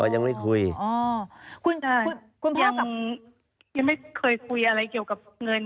ยังไม่คุยอ๋อคุณคุณแพลวกับยังไม่เคยคุยอะไรเกี่ยวกับเงิน